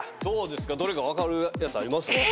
どれか分かるやつあります？